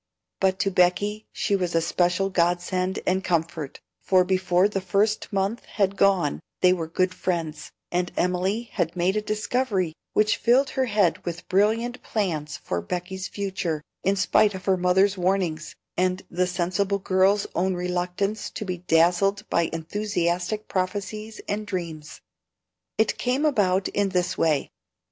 But to Becky she was a special godsend and comfort, for before the first month had gone they were good friends, and Emily had made a discovery which filled her head with brilliant plans for Becky's future, in spite of her mother's warnings, and the sensible girl's own reluctance to be dazzled by enthusiastic prophecies and dreams. It came about in this way.